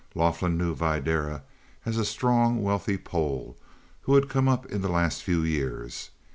Laughlin knew Videra as a strong, wealthy Pole who had come up in the last few years.